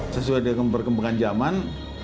sesuai dengan perkembangan zaman